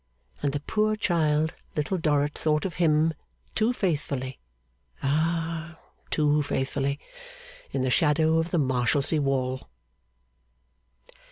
And the poor child Little Dorrit thought of him too faithfully, ah, too faithfully! in the shadow of the Marshalsea wall.